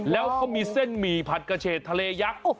แล้วเขามีเส้นหมี่ผัดกระเฉดทะเลยักษ์